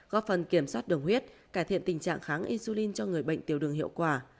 góp phần kiểm soát đường huyết cải thiện tình trạng kháng insulin cho người bệnh tiểu đường hiệu quả